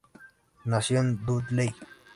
Nació en Dudley.